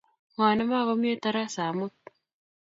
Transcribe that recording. Ng'o ne komakomi tarasa amut?